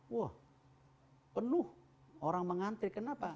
wah penuh orang mengantri kenapa